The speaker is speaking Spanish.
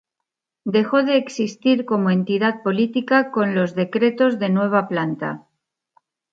Dejó de existir como entidad política con los Decretos de Nueva Planta.